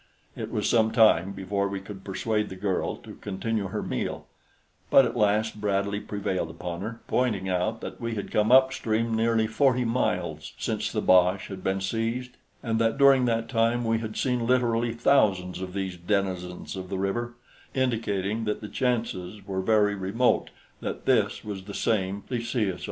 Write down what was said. It was some time before we could persuade the girl to continue her meal, but at last Bradley prevailed upon her, pointing out that we had come upstream nearly forty miles since the boche had been seized, and that during that time we had seen literally thousands of these denizens of the river, indicating that the chances were very remote that this was the same Plesiosaur.